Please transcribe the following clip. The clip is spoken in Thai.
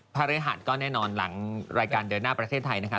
พระฤหัสก็แน่นอนหลังรายการเดินหน้าประเทศไทยนะคะ